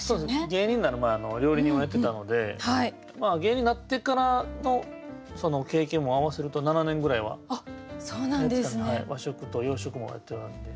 芸人になる前料理人をやってたので芸人になってからの経験も合わせると７年ぐらいはやってたんで。